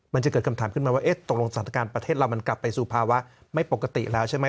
มันจะเกิดคำถามขึ้นมาว่าตกลงสถานการณ์ประเทศเรามันกลับไปสู่ภาวะไม่ปกติแล้วใช่ไหม